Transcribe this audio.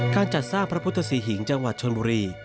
การจัดสร้างพระพุทธศรีหิงจังหวัดชนบุรี